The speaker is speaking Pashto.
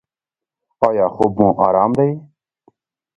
ایا خوب مو ارام دی؟